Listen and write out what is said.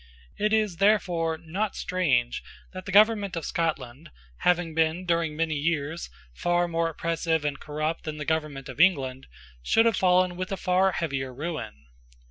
It is therefore not strange that the government of Scotland, having been during many years far more oppressive and corrupt than the government of England, should have fallen with a far heavier ruin.